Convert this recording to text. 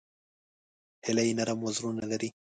هیلۍ نرم وزرونه لري